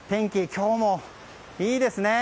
今日もいいですね。